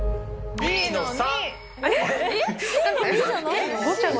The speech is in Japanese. Ｂの３。